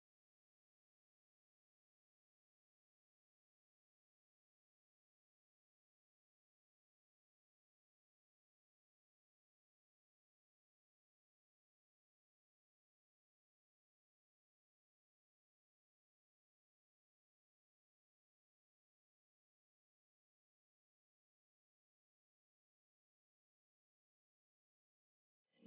sampai jumpa di video selanjutnya